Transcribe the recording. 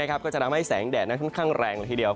ก็จะทำให้แสงแดดนั้นค่อนข้างแรงละทีเดียว